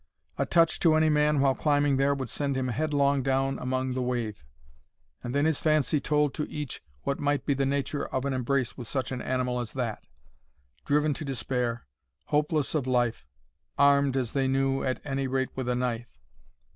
A touch to any man while climbing there would send him headlong down among the wave! And then his fancy told to each what might be the nature of an embrace with such an animal as that, driven to despair, hopeless of life, armed, as they knew, at any rate, with a knife!